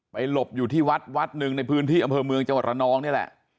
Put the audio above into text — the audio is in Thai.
หลบอยู่ที่วัดวัดหนึ่งในพื้นที่อำเภอเมืองจังหวัดระนองนี่แหละ